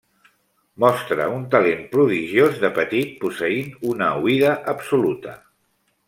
Mostra un talent prodigiós de petit posseint una oïda absoluta.